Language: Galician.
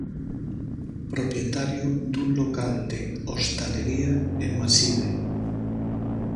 Propietario dun local de hostalería en Maside.